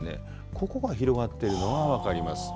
ここが広がっているのが分かります。